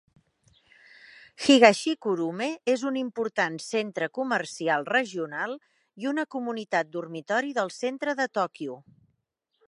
Higashikurume és un important centre comercial regional i una comunitat dormitori del centre de Tòquio.